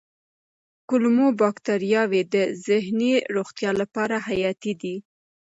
کولمو بکتریاوې د ذهني روغتیا لپاره حیاتي دي.